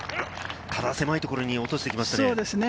ただ狭いところに落としてきましたね。